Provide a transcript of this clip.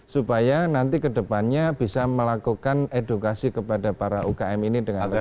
supaya nanti kedepannya bisa melakukan edukasi kepada para ukm ini dengan lebih baik